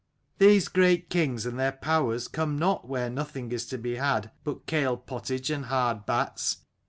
These great kings and their powers come not where nothing is to be had but kale pottage and hard bats.